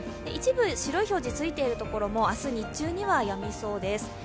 一部白い表示がついている所も明日日中にはやみそうです。